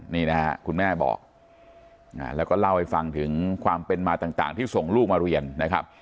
นี่นะฮะคุณแม่บอกแล้วก็เล่าให้ฟังถึงความเป็นมาต่างที่ส่งลูกมาเรียนนะครับ